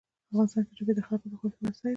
افغانستان کې ژبې د خلکو د خوښې وړ ځای دی.